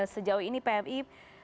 sejauh ini pmi